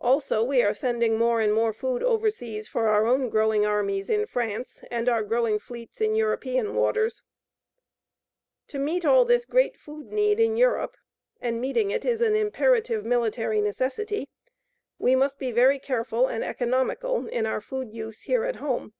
Also we are sending more and more food overseas for our own growing armies in France and our growing fleets in European waters. To meet all this great food need in Europe and meeting it is an imperative military necessity we must be very careful and economical in our food use here at home.